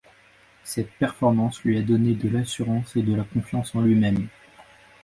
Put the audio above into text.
Cette performance lui a donné de l'assurance et de la confiance en lui-même.